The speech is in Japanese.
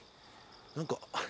何か。